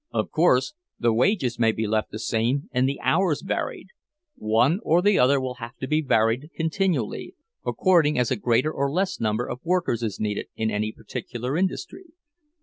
Of course the wages may be left the same, and the hours varied; one or the other will have to be varied continually, according as a greater or less number of workers is needed in any particular industry.